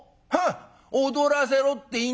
『踊らせろ』って言いなさい。